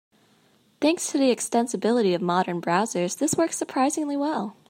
Thanks to the extensibility of modern browsers, this works surprisingly well.